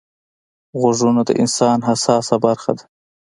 غوږونه د انسان حساسه برخه ده